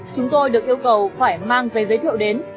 chúng tôi được yêu cầu phải mang giấy giới thiệu đến